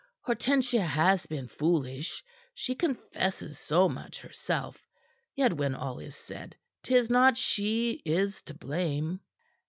Hortensia has been foolish. She confesses so much, herself. Yet, when all is said, 'tis not she is to blame."